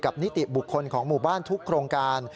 นิติบุคคลของหมู่บ้านทุกโครงการ